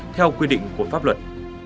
theo quy định của pháp luật